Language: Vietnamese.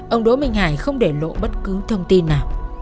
ông đỗ minh hải không để lộ bất cứ thông tin nào